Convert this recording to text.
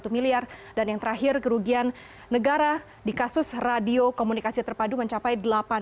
satu ratus dua puluh satu miliar dan yang terakhir kerugian negara di kasus radio komunikasi terpadu mencapai